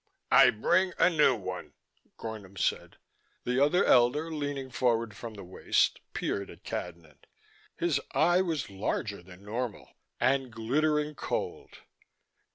"I bring a new one," Gornom said. The other elder, leaning forward from the waist, peered at Cadnan. His eye was larger than normal, and glittering cold.